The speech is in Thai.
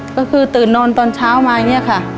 ค่ะก็คือตื่นนอนตอนเช้ามาเนี่ยค่ะ